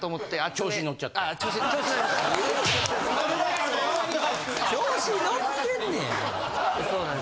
調子乗ってんねやん。